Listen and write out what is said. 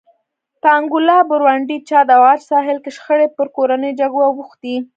په انګولا، برونډي، چاد او عاج ساحل کې شخړې پر کورنیو جګړو واوښتې.